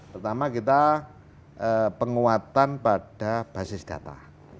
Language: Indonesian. pertama kita penguatan pada basis data